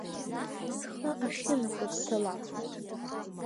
Схы ахьынахоу сцалап.